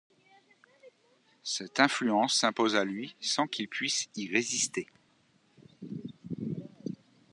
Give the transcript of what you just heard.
Cette influence s'impose à lui sans qu'il puisse y résister.